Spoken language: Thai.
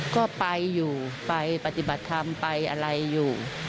ก็ไปอยู่ไปปฏิบัติธรรมไปอะไรอยู่